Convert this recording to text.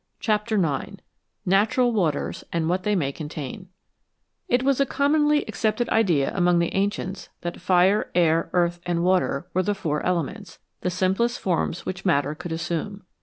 CHAPTER IX NATURAL WATERS, AND WHAT THEY MAY CONTAIN IT was a commonly accepted idea among the ancients that fire, air, earth, and water were the four elements, the simplest forms which matter could assume.